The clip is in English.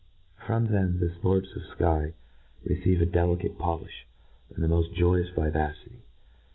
From them the fports of the Iky receive a deli cate polifli, and the moft joyous vivacity.